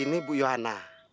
ini bu yohanna